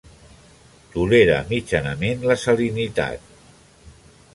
Tolera mitjanament la salinitat.